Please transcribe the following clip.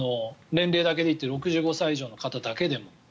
年齢だけで言って６５歳以上の方だけでも。